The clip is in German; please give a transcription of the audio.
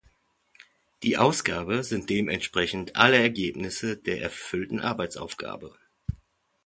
Die "Ausgabe" sind dementsprechend alle Ergebnisse der erfüllten Arbeitsaufgabe.